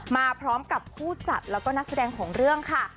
มาพร้อมกับผู้จัดแล้วก็นักแสดงของเรื่องค่ะ